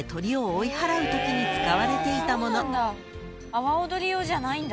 阿波おどり用じゃないんだ。